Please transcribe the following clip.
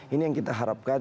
ini yang kita harapkan